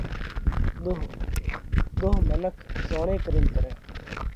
ۮوه: ۮوه منک زوڻي ڪرينَ ڪرئه۔